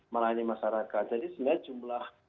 melayani masyarakat jadi sebenarnya jumlah